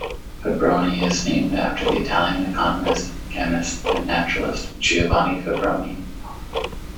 Fabbroni is named after the Italian economist, chemist and naturalist Giovanni Fabbroni.